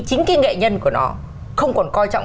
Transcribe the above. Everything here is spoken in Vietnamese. chính cái nghệ nhân của nó không còn coi trọng